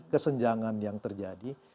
kesenjangan yang terjadi